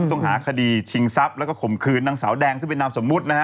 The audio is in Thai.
ต้องหาคดีชิงทรัพย์แล้วก็ข่มขืนนางสาวแดงซึ่งเป็นนามสมมุตินะฮะ